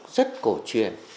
rất cổ truyền